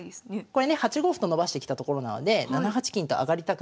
これね８五歩と伸ばしてきたところなのではい。